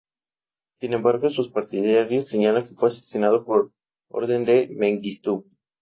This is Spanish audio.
Sin embargo, sus partidarios señalan que fue asesinado por orden de Mengistu.